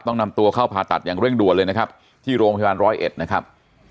ต้องนำตัวเข้าผ่าตัดอย่างเร่งด่วนเลยนะครับที่โรงพยาบาลร้อยเอ็ดนะครับ